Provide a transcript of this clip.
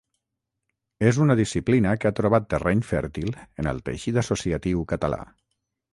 És una disciplina que ha trobat terreny fèrtil en el teixit associatiu català.